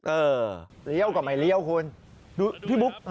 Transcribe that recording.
เออเดี๋ยวก่อนไปเลี้ยวครับคุณ